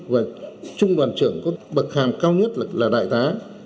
và trung đoàn trưởng có bậc hàm cao nhất là đại tá